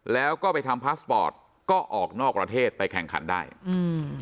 แล้วก็ไปทำพาสปอร์ตก็ออกนอกประเทศไปแข่งขันได้อืม